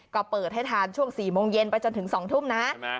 ก็เปิดให้ทานช่วงสี่โมงเย็นไปจนถึงสองทุ่มนะใช่ไหม